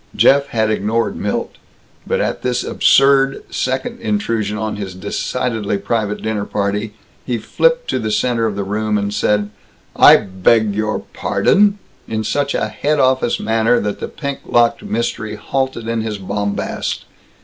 Jeff had ignored Milt. But at this absurd second intrusion on his decidedly private dinner party he flipped to the center of the room and said "I beg your pardon!" in such a head office manner that the pink locked Mystery halted in his bombast.